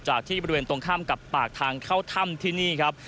ที่บริเวณตรงข้ามกับปากทางเข้าถ้ำที่นี่ครับ